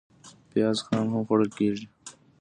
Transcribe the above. پیاز خام هم خوړل کېږي